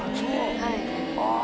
はい。